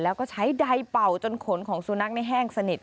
แล้วก็ใช้ใดเป่าจนขนของสุนักพันธุ์ให้แห้งสนิท